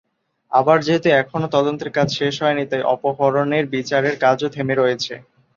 আবার যেহেতু এখনও তদন্তের কাজ শেষ হয়নি, তাই অপহরণের বিচারের কাজও থেমে রয়েছে।